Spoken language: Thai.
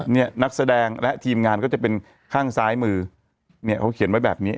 เนี่ยนักแสดงและทีมงานก็จะเป็นข้างซ้ายมือเนี่ยเขาเขียนไว้แบบนี้